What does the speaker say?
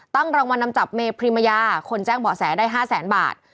รางวัลนำจับเมพรีมยาคนแจ้งเบาะแสได้๕แสนบาท